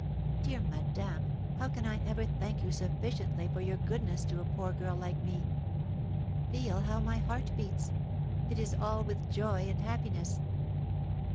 Dear madame, how can I ever thank you sufficiently for your goodness to a poor girl like me? Feel how my heart beats! It is all with joy and happiness!"